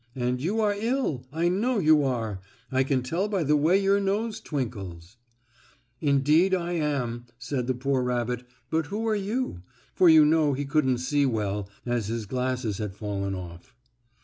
And you are ill, I know you are. I can tell by the way your nose twinkles." "Indeed, I am ill," said the poor rabbit, "but who are you?" For you know he couldn't see well, as his glasses had fallen off.